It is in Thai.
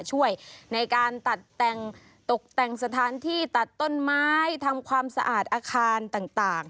ช่วยในการตัดแต่งตกแต่งสถานที่ตัดต้นไม้ทำความสะอาดอาคารต่าง